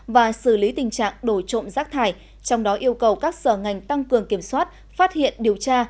và xử lý tình trạng đổi trộm rác thải trong đó yêu cầu các sở ngành tăng cường kiểm soát phát hiện điều tra